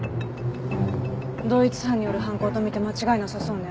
同一犯による犯行とみて間違いなさそうね。